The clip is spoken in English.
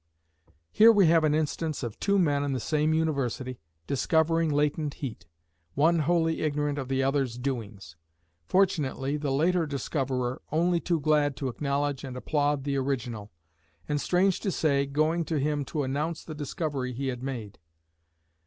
Here we have an instance of two men in the same university, discovering latent heat, one wholly ignorant of the other's doings; fortunately, the later discoverer only too glad to acknowledge and applaud the original, and, strange to say, going to him to announce the discovery he had made.